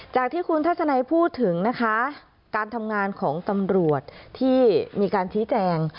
จากที่คุณทัศนัยพูดถึงนะคะการทำงานของตำรวจที่มีการชี้แจง